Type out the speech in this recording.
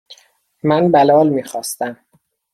من بلال میخواستم.